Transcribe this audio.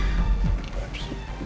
ke rumah ini